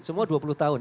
semua dua puluh tahun